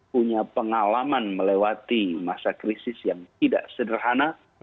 punya pengalaman melewati masa krisis yang tidak sederhana